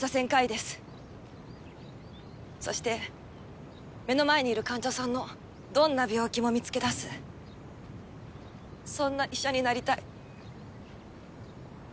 そして目の前にいる患者さんのどんな病気も見つけ出すそんな医者になりたい。